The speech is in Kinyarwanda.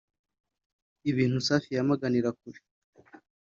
ibintu Safi yamaganira kure